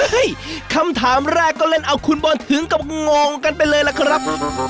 คำถามแรกก็เล่นเอาคุณบอลถึงกับงงกันไปเลยล่ะครับ